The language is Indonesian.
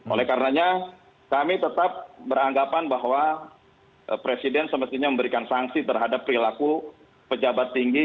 oleh karenanya kami tetap beranggapan bahwa presiden semestinya memberikan sanksi terhadap perilaku pejabat tinggi